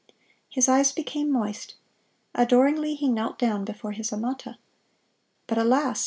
His eyes became moist. Adoringly he knelt down before his amata. But, alas!